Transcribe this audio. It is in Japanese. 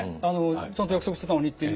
「ちゃんと約束してたのに」って。